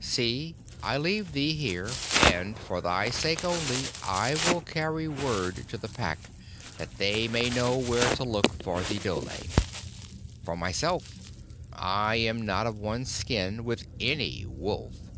See, I leave thee here, and for thy sake only I will carry word to the Pack that they may know where to look for the dhole. For myself, I am not of one skin with any wolf."